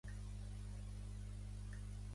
El gegant furiós va llançar-li una pedrota enorme.